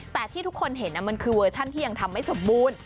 แต่ที่ทุกคนเห็นมันคือเวอร์ชันที่ยังทำไม่สมบูรณ์